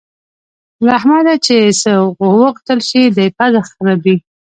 له احمده چې څه وغوښتل شي؛ دی پزه خرېي.